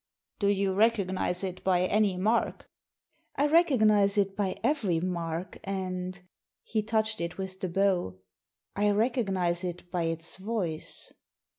" Do you recognise it by any mark ?*'" I recognise it by every mark, and "— he touched it with the bow —" I recognise it by its voice."